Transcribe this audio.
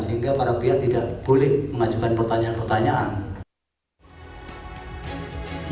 sehingga para pihak tidak boleh mengajukan pertanyaan pertanyaan